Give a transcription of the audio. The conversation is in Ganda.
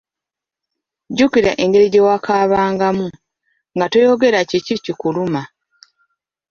"Jjukira engeri gye wakaabangamu, nga toyogera kiki kikuluma!"